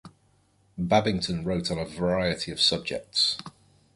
Babington wrote on a variety of subjects.